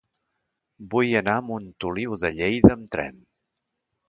Vull anar a Montoliu de Lleida amb tren.